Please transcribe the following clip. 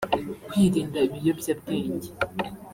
kwirinda ibiyobyabwenge